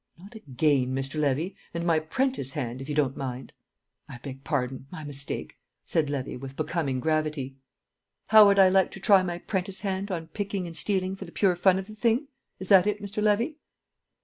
"Not 'again,' Mr. Levy; and my 'prentice' hand, if you don't mind." "I beg pardon; my mistake," said Levy, with becoming gravity. "How would I like to try my prentice hand on picking and stealing for the pure fun of the thing? Is that it, Mr. Levy?"